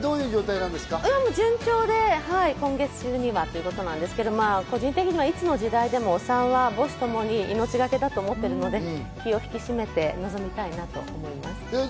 順調で、今月中にはということですけど、個人的にはいつの時代もお産は母子ともに命がけだと思っているので、気を引き締めて臨みたいと思います。